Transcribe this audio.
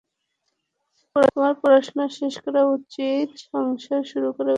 তোমার পড়াশোনা শেষ করা উচিত, সংসার শুরু করা উচিত।